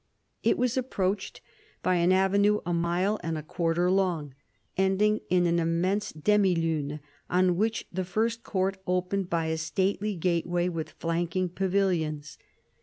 It was approached by an avenue a mile and a quarter long, ending in an immense demi lune on which the first court opened by a stately gateway with flanking pavilions.